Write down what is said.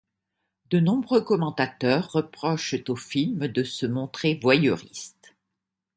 De nombreux commentateurs reprochent au film de se montrer voyeuriste.